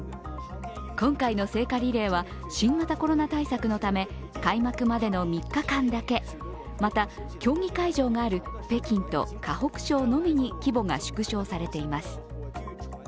今回の聖火リレーは新型コロナ対策のため、開幕までの３日間だけ、また、競技会場がある北京と河北省のみに規模が縮小されています。